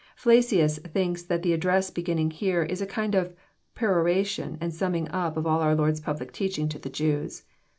Flacius thinks that the address beginning here is a kind of peroration and summing up of all our Lord's public teaching to the Jews.